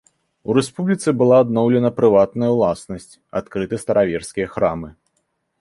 У рэспубліцы была адноўлена прыватная ўласнасць, адкрыты стараверскія храмы.